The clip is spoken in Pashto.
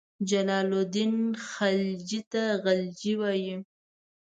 جلال الدین خلجي ته غلجي وایي.